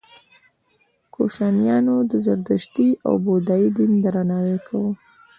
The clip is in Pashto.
کوشانیانو د زردشتي او بودايي دین درناوی کاوه